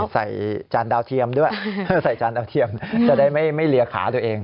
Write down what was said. ใส่จานดาวเทียมด้วยจะได้ไม่ลียขาด้วยเอง